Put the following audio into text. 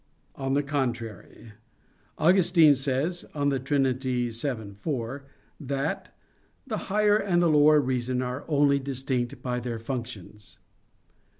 On the contrary, Augustine says (De Trin. xii, 4) that "the higher and lower reason are only distinct by their functions."